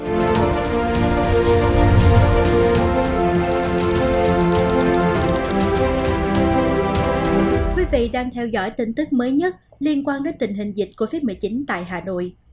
thưa quý vị đang theo dõi tin tức mới nhất liên quan đến tình hình dịch covid một mươi chín tại hà nội